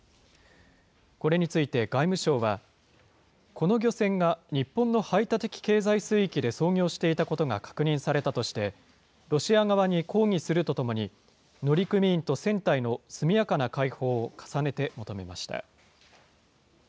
これについて外務省は、この漁船が日本の排他的経済水域で操業していたことが確認されたとして、ロシア側に抗議するとともに、乗組員と船体の速やかな解放を重ねて求めました。